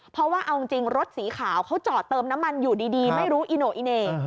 เพราะว่าเอาจริงรถสีขาวเขาจอดเติมน้ำมันอยู่ดีไม่รู้อีโน่อีเหน่